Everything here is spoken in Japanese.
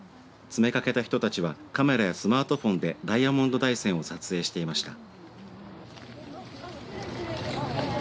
詰めかけた人たちはカメラやスマートフォンでダイヤモンド大山を撮影していました。